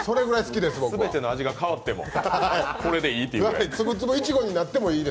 全ての味が変わってもこれでいいというぐらいと。